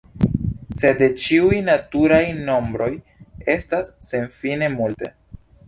Sed de ĉiuj naturaj nombroj estas senfine multe.